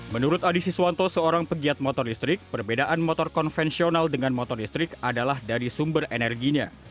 menurut adi siswanto seorang pegiat motor listrik perbedaan motor konvensional dengan motor listrik adalah dari sumber energinya